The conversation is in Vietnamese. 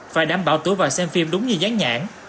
phải đảm bảo tuổi vào xem phim đúng như gắn nhãn